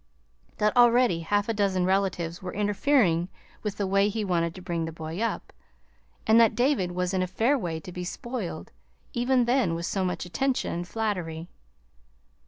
That already half a dozen relatives were interfering with the way he wanted to bring the boy up, and that David was in a fair way to be spoiled, even then, with so much attention and flattery.